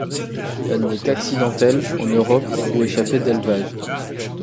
Elle n'est qu'accidentelle en Europe ou échappée d'élevages.